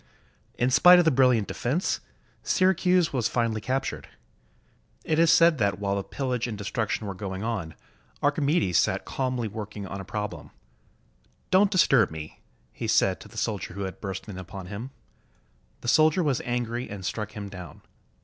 In spite of the brilliant defense, Syracuse was finally captured. It is said that while the pillage and destruction were going on, Archimedes sat calmly working on a prob lem. "Don't disturb me," he said to the soldier who had burst in upon him. The soldier was angry and struck him down.